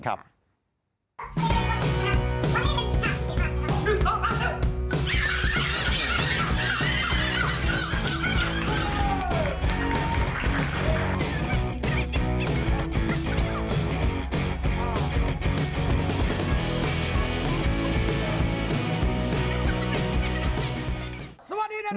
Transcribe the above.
สวัสดีนักเรียนทุกคน